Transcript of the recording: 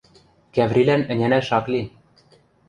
Кӓврилӓн ӹнянӓш ак ли.